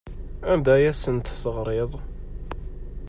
Anda ay asent-teɣriḍ?